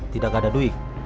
tidak ada duit